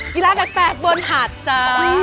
กีฬาแปลกบนหาดจ้า